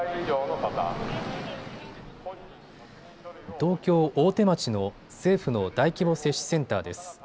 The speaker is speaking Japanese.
東京大手町の政府の大規模接種センターです。